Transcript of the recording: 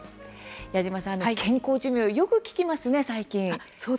矢島さん、健康寿命よく聞きますね、最近。